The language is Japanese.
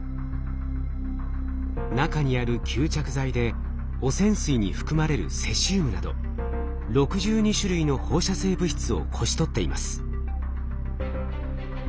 中にある吸着材で汚染水に含まれるセシウムなど６２種類の放射性物質をこし取っています。